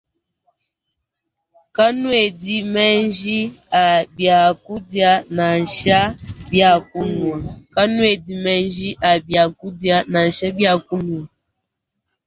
Kanuedi menji a biakudia nansha bia kunua.